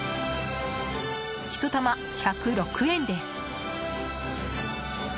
１玉、１０６円です。